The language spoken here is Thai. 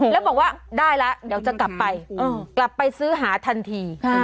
แล้วบอกว่าได้แล้วเดี๋ยวจะกลับไปกลับไปซื้อหาทันที